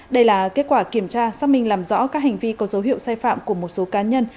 đây là kết quả kiểm tra xác minh làm rõ các hành vi có dấu hiệu sai phạm của một số cá nhân